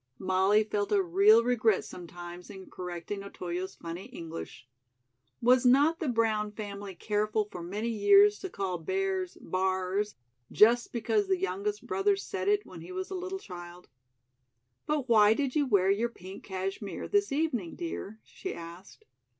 Molly felt a real regret sometimes in correcting Otoyo's funny English. Was not the Brown family careful for many years to call bears "b'ars" just because the youngest brother said it when he was a little child? "But why did you wear your pink cashmere this evening, dear?" she asked.